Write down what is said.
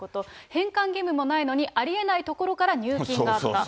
返還義務もないのにありえない所から入金があった。